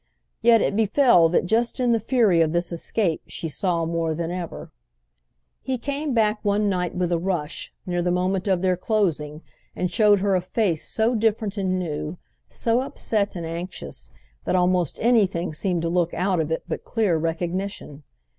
Yet it befell that just in the fury of this escape she saw more than ever. He came back one night with a rush, near the moment of their closing, and showed her a face so different and new, so upset and anxious, that almost anything seemed to look out of it but clear recognition.